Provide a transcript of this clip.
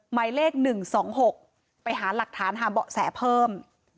หมายเลข๑๒๖ไปหาหลักฐานหาเบาะแสเพิ่ม